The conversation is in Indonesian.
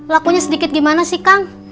lakunya sedikit gimana sih kang